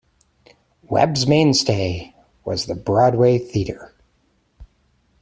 Webb's mainstay was the Broadway theatre.